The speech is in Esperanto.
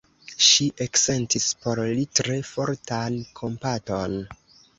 Ŝi eksentis por li tre fortan kompaton.